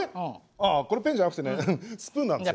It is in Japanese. ああこれペンじゃなくてねスプーンなんですよ。